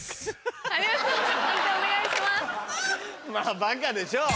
まぁバカでしょう。